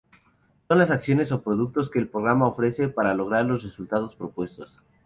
Son las acciones o productos que el programa ofrece para lograr los resultados propuestos.